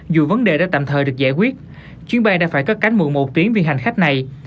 dù vấn đề đã tạm thời được giải quyết chuyến bay đã phải cất cánh mượn một tiếng vì hành khách này